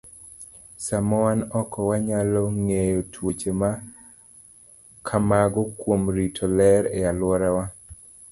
Sama wan oko, wanyalo geng'o tuoche ma kamago kuom rito ler e alworawa.